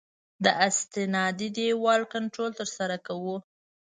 د استنادي دیوال کنټرول ترسره کوو